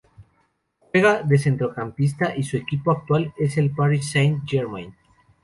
Juega de centrocampista y su equipo actual es el París Saint-Germain.